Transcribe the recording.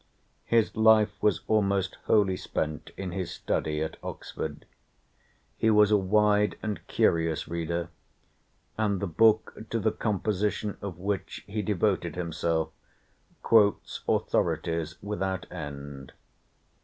His life was almost wholly spent in his study at Oxford. He was a wide and curious reader, and the book to the composition of which he devoted himself quotes authorities without end.